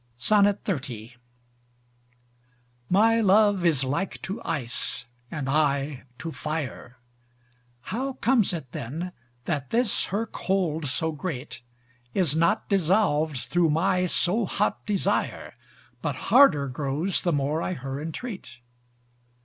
XXX My love is like to ice, and I to fire; How comes it then that this her cold so great Is not dissolved through my so hot desire, But harder grows the more I her intreat?